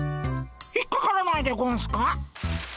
引っかからないでゴンスか？